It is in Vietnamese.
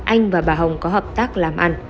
anh và bà hồng có hợp tác làm ăn